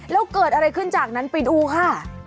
แล้วเกิดอะไรขึ้นจากนั้นไปดูค่ะ